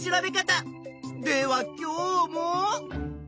では今日も。